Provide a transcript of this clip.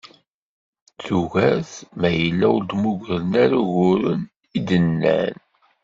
Tugart ma yella ur d-muggren ara uguren, i d-nnan.